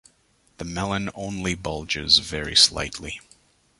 The melon only bulges very slightly.